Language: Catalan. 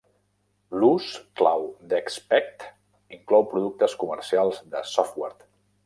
L'ús clau d'Expect inclou productes comercials de software.